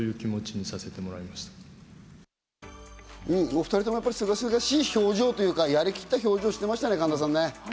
２人とも、すがすがしい表情というか、やりきった表情してましたね、神田さん。